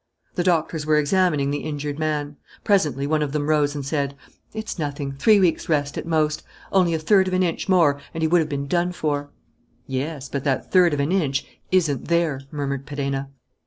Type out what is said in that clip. The doctors were examining the injured man. Presently one of them rose and said: "It's nothing. Three weeks' rest, at most. Only a third of an inch more, and he would have been done for." "Yes, but that third of an inch isn't there," murmured Perenna.